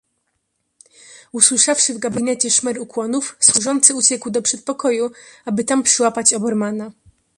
"Usłyszawszy w gabinecie szmer ukłonów, służący uciekł do przedpokoju, aby tam przyłapać Obermana."